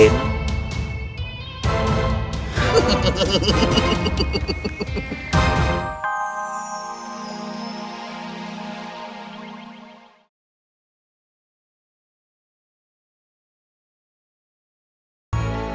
jangan lupa ayahanda